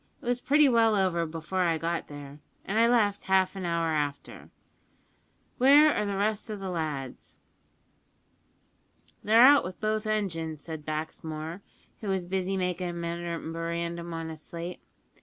It was pretty well over before I got there, and I left half an hour after. Where are the rest o' the lads?" "They're out wi' both engines," said Baxmore, who was busy making a memorandum on a slate.